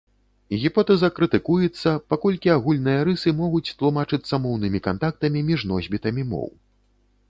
Гіпотэза крытыкуецца, паколькі агульныя рысы могуць тлумачыцца моўнымі кантактамі між носьбітамі моў.